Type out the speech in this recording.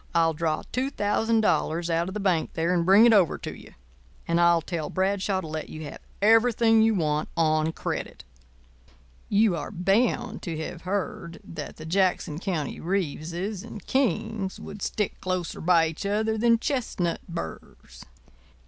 I'll draw $2,000 out of the bank there and bring it over to you; and I'll tell Bradshaw to let you have everything you want on credit. You are bound to have heard the old saying at home, that the Jackson County Reeveses and Kings would stick closer by each other than chestnut burrs.